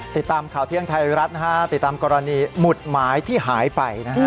ติดตามข่าวเที่ยงไทยรัฐนะฮะติดตามกรณีหมุดหมายที่หายไปนะฮะ